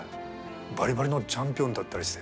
バリバリのチャンピオンだったりして。